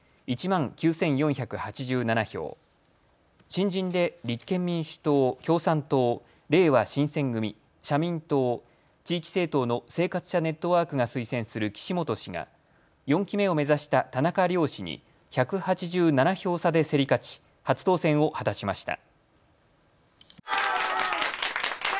新人で立憲民主党、共産党、れいわ新選組、社民党、地域政党の生活者ネットワークが推薦する岸本氏が４期目を目指した田中良氏に１８７票差で競り勝ち初当選を果たしました。